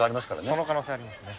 その可能性ありますね。